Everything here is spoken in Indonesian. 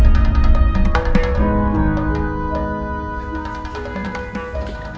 aku juga berharap ramah seperti itu